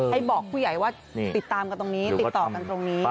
ให้บอกผู้ใหญ่ว่าติดตามกันตรงนี้ติดต่อกันตรงนี้